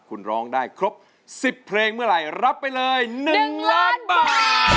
คุณร้องได้ครบ๑๐เพลงเมื่อไหร่รับไปเลย๑ล้านบาท